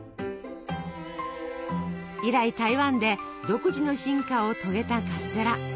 以来台湾で独自の進化を遂げたカステラ。